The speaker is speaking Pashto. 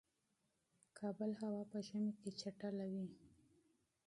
کابل هوا په ژمی کی چټله وی